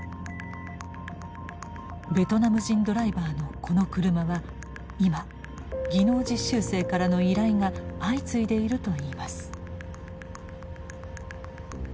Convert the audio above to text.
ベトナム人ドライバーのこの車は今技能実習生からの依頼が相次いでいるといいます。